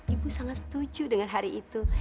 ibu sangat setuju dengan hari itu